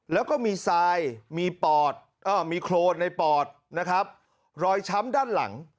แล้วก็มีทรายมีปอดมีโครนในปอดนะครับรอยช้ำด้านหลัง